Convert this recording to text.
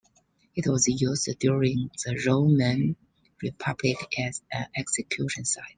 It was used during the Roman Republic as an execution site.